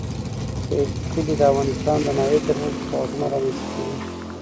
کلي د افغانستان د ناحیو ترمنځ تفاوتونه رامنځ ته کوي.